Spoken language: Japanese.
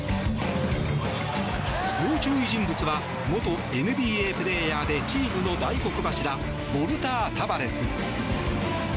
要注意人物は元ＮＢＡプレーヤーでチームの大黒柱ウォルター・タバレス。